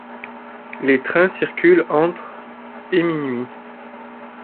Les trains circulent entre et minuit.